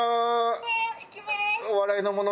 お笑いの者。